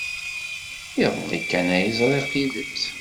Iḍelli kan ay ẓriɣ tidet.